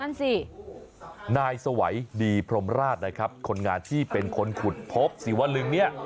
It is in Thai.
นั่นสินายสวัยดีพรมราชนะครับคนงานที่เป็นคนขุดพบศิวลึงเนี่ย